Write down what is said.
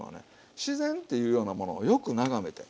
自然っていうようなものをよく眺めて。